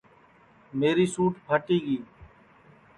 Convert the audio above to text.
میری سُوتٹؔ پھاٹی گی